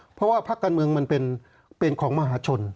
เพราะว่าพักการเมืองมันเป็นของมหาชน